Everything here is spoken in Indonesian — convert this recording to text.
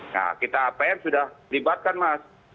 nah kita apm sudah libatkan mas